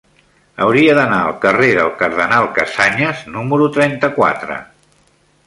Hauria d'anar al carrer del Cardenal Casañas número trenta-quatre.